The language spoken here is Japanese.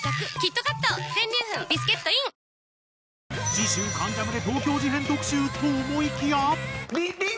次週『関ジャム』で東京事変特集と思いきや。